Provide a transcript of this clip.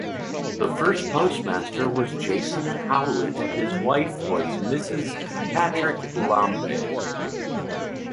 The first postmaster was Jason Hollett His wife was Mrs. Patrick Lambe.